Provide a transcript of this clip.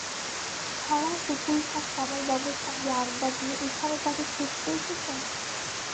সারা দুপুরটা শ্যামলবাবুর সঙ্গে আড্ডা দিয়ে এখানে তাকে খুঁজতে এসেছেন?